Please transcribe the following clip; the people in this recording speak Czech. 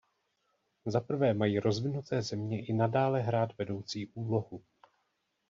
Zaprvé mají rozvinuté země i nadále hrát vedoucí úlohu.